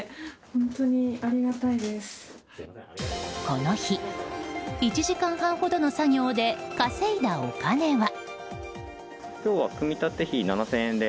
この日、１時間半ほどの作業で稼いだお金は。